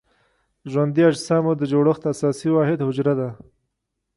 ژوندي اجسامو د جوړښت اساسي واحد حجره ده.